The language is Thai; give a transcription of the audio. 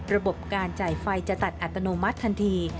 ระบบการจ่ายไฟจะตัดอัตโนมัติทันที